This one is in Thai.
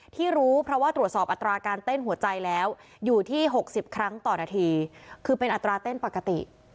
ที่รู้เพราะว่าตรวจสอบอัตราการเต้นหัวใจแล้วอยู่ที่๖๐ครั้งต่อนาทีคือเป็นอัตราเต้นปกติ